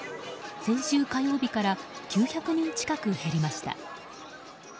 先週火曜日から９００人近く減りました。